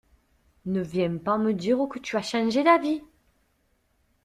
Ne viens pas me dire que tu as changé d'avis.